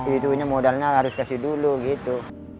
itu modalnya harus dikasih dulu gitu